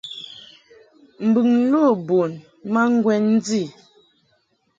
Mbɨŋ lo bun ma ŋgwɛn ndi.